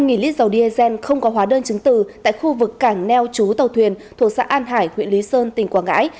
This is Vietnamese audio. một lít dầu diesel không có hóa đơn chứng từ tại khu vực cảng neo chú tàu thuyền thuộc xã an hải huyện lý sơn tỉnh quảng ngãi